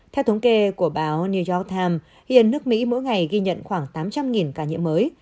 theo thống kê của báo new york times hiện nước mỹ mỗi ngày ghi nhận khoảng tám trăm linh ca nhiễm mới